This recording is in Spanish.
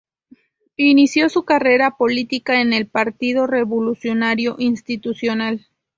Inició su carrera política en el Partido Revolucionario Institucional.